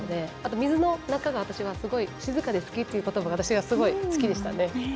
水の中が、私はすごく静かで好きっていうことばが私はすごい好きでしたね。